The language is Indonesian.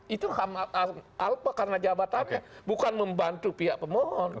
itu apa karena jabatannya bukan membantu pihak pemohon